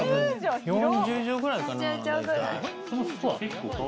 ４０帖ぐらいかな大体。